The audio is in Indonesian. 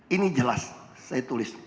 ini jelas saya tulis